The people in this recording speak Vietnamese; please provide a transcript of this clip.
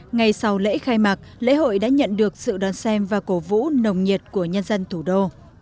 ngày sau lễ khai mạc lễ hội đã nhận được sự đón xem và cổ vũ nồng nhiệt của nhân dân thủ đô